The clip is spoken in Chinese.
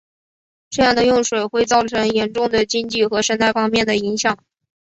这样的用水会造成严重的经济和生态方面的影响。